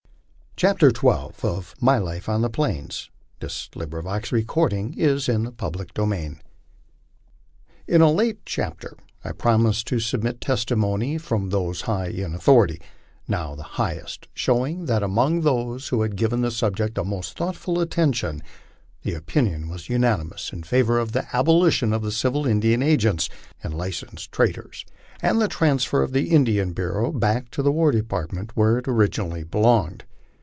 portion of the command ia camp on Bluff creek, where we shall see them again. XII. IN a late chapter I promised to submit testimony from those high in author ity, now the highest, showing that among those who had given the sub ject the most thoughtful attention, the opinion was unanimous in favor of the ' abolition of the civil Indian agents and licensed traders," and the transfer of the Indian Bureau back to the War Department, where it originally belonged.